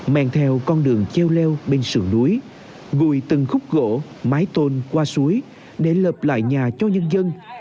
men theo con đường treo leo bên sườn núi gùi từng khúc gỗ mái tôn qua suối để lợp lại nhà cho nhân dân